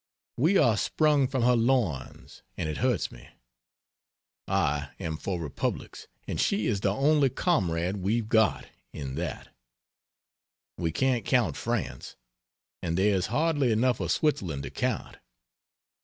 We are sprung from her loins, and it hurts me. I am for republics, and she is the only comrade we've got, in that. We can't count France, and there is hardly enough of Switzerland to count.